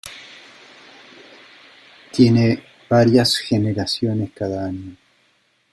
Tiene varias generaciones cada año.